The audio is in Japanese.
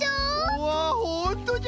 うわほんとじゃ。